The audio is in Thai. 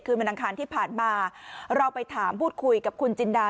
วันอังคารที่ผ่านมาเราไปถามพูดคุยกับคุณจินดา